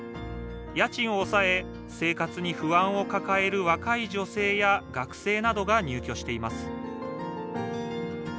家賃を抑え生活に不安を抱える若い女性や学生などが入居しています